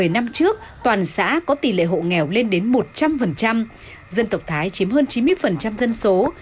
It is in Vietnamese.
một mươi năm trước toàn xã có tỷ lệ hộ nghèo lên đến một trăm linh dân tộc thái chiếm hơn chín mươi thân số